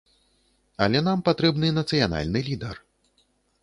Але нам патрэбны нацыянальны лідар.